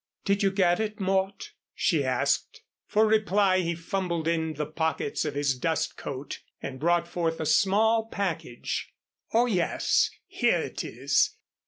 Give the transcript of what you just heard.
"Did you get it, Mort?" she asked. For reply he fumbled in the pockets of his dust coat and brought forth a small package. "Oh, yes. Here it is.